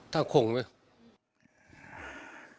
ถ้าคงไหม